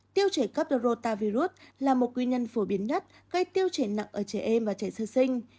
tiêu chảy cấp đo rô ta virus là một nguyên nhân phổ biến nhất gây tiêu chảy nặng ở trẻ em và trẻ sơ sinh